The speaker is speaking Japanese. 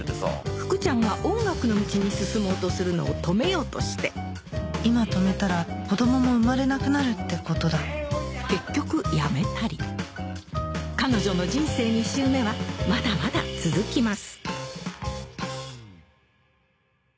福ちゃんが音楽の道に進もうとするのを止めようとして今止めたら子供も生まれなくなるってことだ結局やめたり彼女の人生２周目はまだまだ続きます